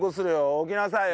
起きなさいよ。